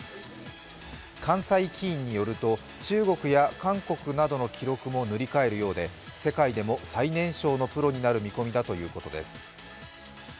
関西棋院によると中国や韓国などの記録も塗り替えるようで世界でも最年少のプロになる見込みだということです。